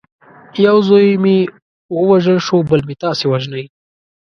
یو زوی مې ووژل شو بل مې تاسي وژنئ.